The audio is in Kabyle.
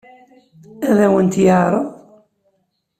Ad awen-t-yeɛṛeḍ?